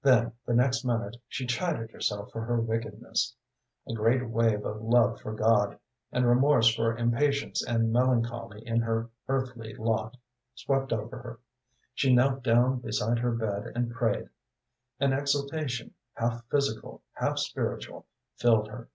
Then the next minute she chided herself for her wickedness. A great wave of love for God, and remorse for impatience and melancholy in her earthly lot, swept over her. She knelt down beside her bed and prayed. An exultation half physical, half spiritual, filled her.